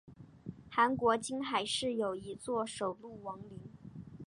韩国金海市有一座首露王陵。